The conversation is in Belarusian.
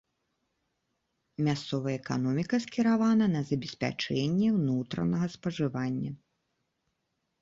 Мясцовая эканоміка скіравана на забеспячэнне ўнутранага спажывання.